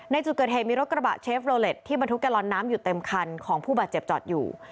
ในจุดเกิดเหตุมีรถกระบะเชฟโลเล็ตที่บรรทุกแกลลอนน้ำอยู่เต็มคันของผู้บาดเจ็บจอดอยู่